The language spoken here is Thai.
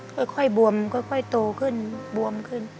ค่อยบวมค่อยโตขึ้นบวมขึ้น